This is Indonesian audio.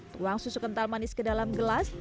tuang susu kental manis ke dalam gelas